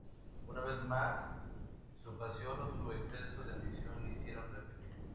Una vez más, su pasión o su exceso de ambición le hicieron repetir.